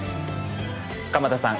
鎌田さん